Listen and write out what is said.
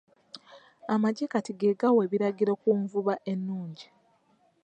Amaggye kati ge gawa ebiragiro ku nvuba ennungi.